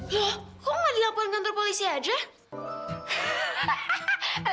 loh kok nggak dihapurin kantor polisi aja